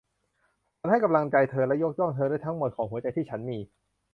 ฉันให้กำลังใจเธอและยกย่องเธอด้วยทั้งหมดของหัวใจที่ฉันมี